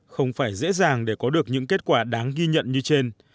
không phải dễ dàng để có được những kết quả đáng ghi nhận như trên